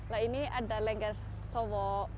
nah ini ada lengger cowo